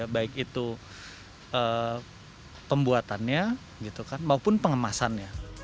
baik itu pembuatannya maupun pengemasannya